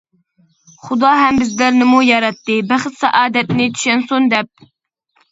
خۇدا ھەم بىزلەرنىمۇ ياراتتى، بەخت-سائادەتنى چۈشەنسۇن، دەپ.